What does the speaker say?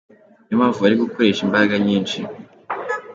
Niyo mpamvu bari gukoresha imbaraga nyinshi.